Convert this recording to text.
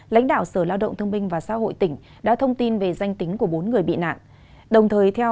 lãnh đạo sở lao động thương minh và xã hội tỉnh đã thông tin về danh tính của bốn người bị nạn